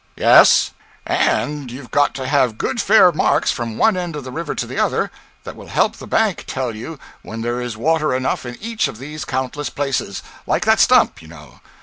'Yes. And you've got to have good fair marks from one end of the river to the other, that will help the bank tell you when there is water enough in each of these countless places like that stump, you know.